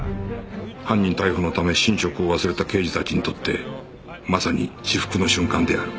犯人逮捕のため寝食を忘れた刑事たちにとってまさに至福の瞬間である